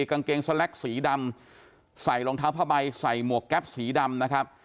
กางเกงสแล็กสีดำใส่รองเท้าผ้าใบใส่หมวกแก๊ปสีดำนะครับ